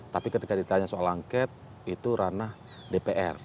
tapi ketika ditanya soal angket itu ranah dpr